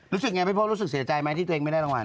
รู้สึกไงพี่พกรู้สึกเสียใจไหมที่ตัวเองไม่ได้รางวัล